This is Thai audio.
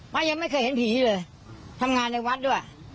ยังไม่เคยเห็นผีเลยทำงานในวัดด้วย